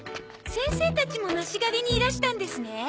先生たちも梨狩りにいらしたんですね。